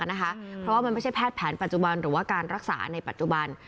เพราะว่ามันไม่ใช่แพทย์แผนปัจจุบันหรือว่าการรักษาในปัจจุบัน